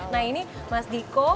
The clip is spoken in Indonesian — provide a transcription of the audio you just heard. nah ini mas diko